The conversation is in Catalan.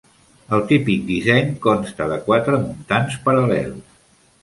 El típic disseny consta de quatre muntants paral·lels.